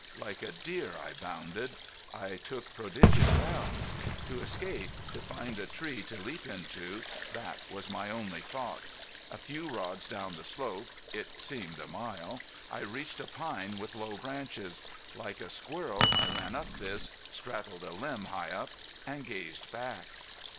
Like a deer I bounded. I took prodigious bounds. To escape to find a tree to leap into that was my only thought. A few rods down the slope it seemed a mile I reached a pine with low branches. Like a squirrel I ran up this straddled a limb high up and gazed back.